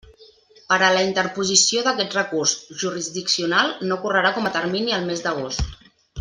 Per a la interposició d'aquest recurs jurisdiccional no correrà com a termini el mes d'agost.